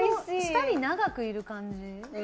舌に長くいる感じ？